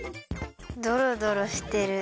ドロドロしてる。